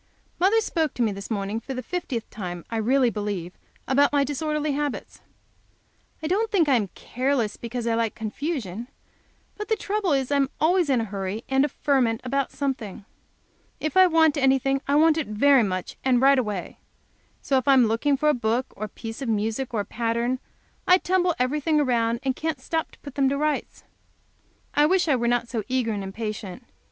Mother spoke to me this morning for the fiftieth time, I really believe, about my disorderly habits. I don't think I am careless because I like confusion, but the trouble is I am always in a hurry and a ferment about something. If I want anything, I want it very much, and right away. So if I am looking for a book, or a piece of music, or a pattern, I tumble everything around, and can't stop to put them to rights. I wish I were not so eager and impatient.